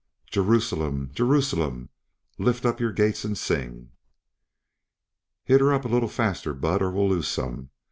"Jerusalem, Jerusalem, lift up your gates and sing." "Hit her up a little faster, Bud, or we'll lose some.